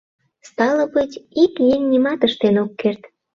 Стало быть, ик еҥ нимат ыштен ок керт.